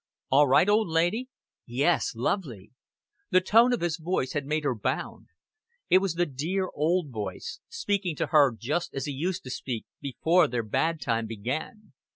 "All right, old lady?" "Yes lovely." The tone of his voice had made her heart bound. It was the dear old voice, speaking to her just as he used to speak before their bad time began.